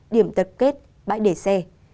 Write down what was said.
điểm tật kết bãi để xe